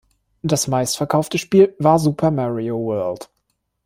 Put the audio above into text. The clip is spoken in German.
Das meistverkaufte Spiel war Super Mario World.